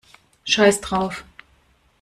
Scheiß drauf!